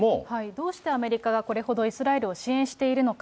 どうしてアメリカがこれほどイスラエルを支援しているのか。